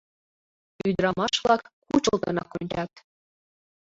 Ӱдырамаш-влак кучылтынак ончат.